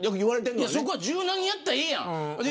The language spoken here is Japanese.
そこは柔軟にやったらええやんか。